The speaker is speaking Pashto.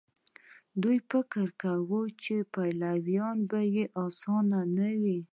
دوی فکر کاوه چې پلورل به يې اسانه نه وي.